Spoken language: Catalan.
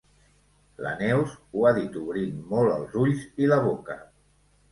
La Neus ho ha dit obrint molt els ulls i la boca.